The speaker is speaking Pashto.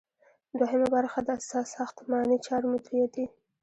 دوهم برخه د ساختماني چارو مدیریت دی.